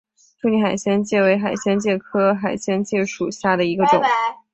处女海星介为海星介科海星介属下的一个种。